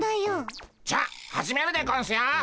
じゃあ始めるでゴンスよ！